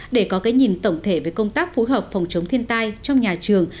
để có cái nhìn tổng thể về công tác phối hợp phòng chống thiên tai trong nhà trường